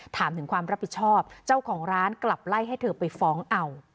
ถามถึงความรับผิดชอบเจ้าของร้านกลับไล่ให้เธอไปฟ้องเอา